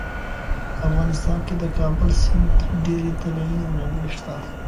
په افغانستان کې د کابل سیند ډېرې طبعي منابع شته.